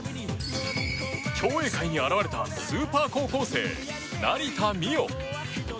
競泳界に現れたスーパー高校生成田実生。